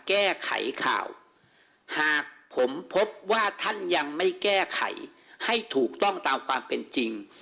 แก้ไขข่าวหากผมพบว่าท่านยังไม่แก้ไขให้ถูกต้องตามความเป็นจริง